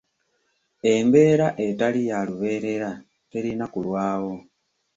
Embeera etali ya lubeerera terina kulwawo.